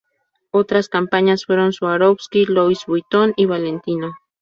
Otras campañas fueron Swarovski, Louis Vuitton, y Valentino.